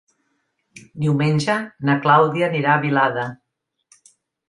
Diumenge na Clàudia anirà a Vilada.